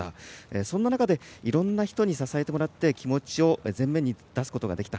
そんな中でいろいろな人に支えてもらって気持ちを前面に出すことができた。